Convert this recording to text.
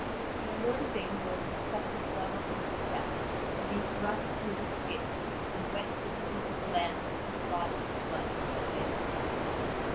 My lord Yvain deals him such a blow upon the chest that he thrusts through the skin and wets the tip of his lance in his body's blood by way of sauce.